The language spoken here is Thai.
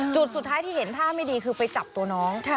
จุดสุดท้ายที่เห็นท่าไม่ดีคือไปจับตัวน้อง